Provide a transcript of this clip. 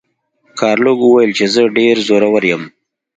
ګارلوک وویل چې زه ډیر زورور یم.